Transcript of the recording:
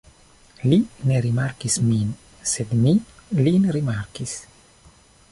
Li ne rimarkis min, sed mi – lin rimarkis.